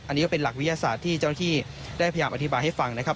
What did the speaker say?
อันนี้ก็เป็นหลักวิทยาศาสตร์ที่เจ้าหน้าที่ได้พยายามอธิบายให้ฟังนะครับ